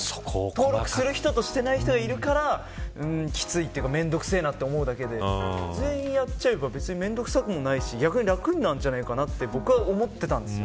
登録している人としていない人がいるから面倒くさいと思うだけで全員やっちゃえばめんどくさくもないし逆に楽になるんじゃないかと思ってたんです。